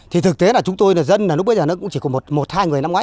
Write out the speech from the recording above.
thì thực tế là chúng tôi là dân là lúc bây giờ nó cũng chỉ có một hai người năm ngoái